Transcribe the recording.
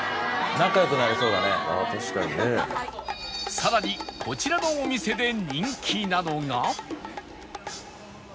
さらにこちらのお店で人気なのが